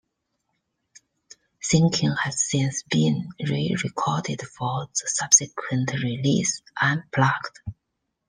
"Sinking" has since been re-recorded for the subsequent release "Unplugged".